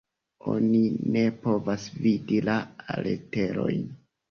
Oni ne povas vidi la leterojn.